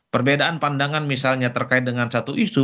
perbedaan pandangan misalnya terkait dengan satu isu